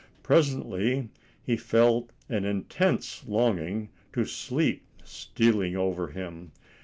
Presently he felt an intense longing to sleep stealing over him.